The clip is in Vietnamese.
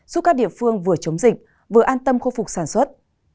giúp các địa phương vừa chống dịch vừa an tâm khôi phục sản xuất